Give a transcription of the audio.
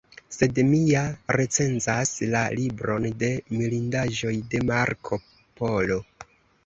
Sed mi ja recenzas La libron de mirindaĵoj de Marko Polo.